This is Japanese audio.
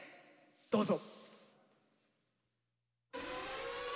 どうぞ。